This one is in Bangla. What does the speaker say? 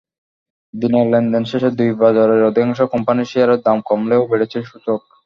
দিনের লেনদেন শেষে দুই বাজারে অধিকাংশ কোম্পানির শেয়ারের দাম কমলেও বেড়েছে সূচক।